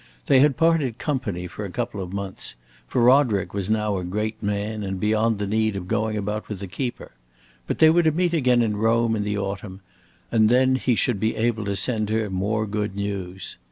They had parted company for a couple of months, for Roderick was now a great man and beyond the need of going about with a keeper. But they were to meet again in Rome in the autumn, and then he should be able to send her more good news.